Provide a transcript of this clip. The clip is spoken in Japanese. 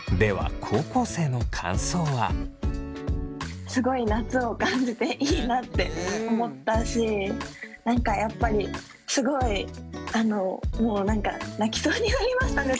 ではすごい夏を感じていいなって思ったし何かやっぱりすごいもう何か泣きそうになりましたね